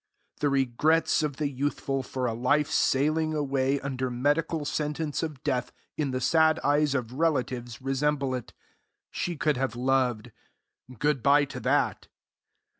The regrets of the youthful for a life sailing away under medical sentence of death in the sad eyes of relatives resemble it. She could have loved. Good bye to that!